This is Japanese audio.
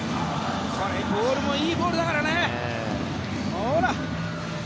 これ、ボールもいいボールだからね、ほら。